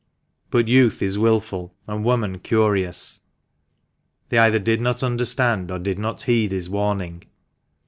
But youth is wilful, and woman curious. They either did not understand, or did not heed his warning.